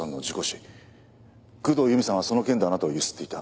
工藤由美さんはその件であなたを強請っていた。